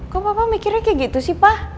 kok papa mikirnya kayak gitu sih pa